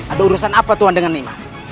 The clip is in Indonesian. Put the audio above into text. ada urusan apa tuhan dengan nih mas